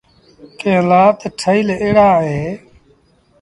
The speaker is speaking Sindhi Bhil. ڪݩهݩ لآ تا ٺهيٚل ايڙآ اوهيݩ۔